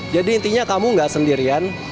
jadi intinya kamu gak sendirian